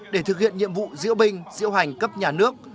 để thực hiện nhiệm vụ diễu binh diễu hành cấp nhà nước